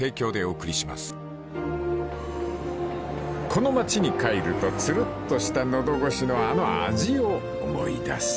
［この町に帰るとつるっとした喉越しのあの味を思い出す］